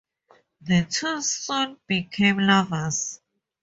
The two soon became lovers.